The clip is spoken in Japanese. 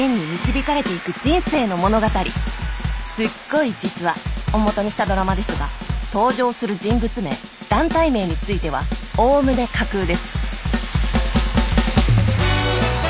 すっごい実話！をもとにしたドラマですが登場する人物名団体名についてはおおむね架空です